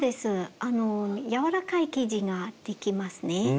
柔らかい生地ができますね。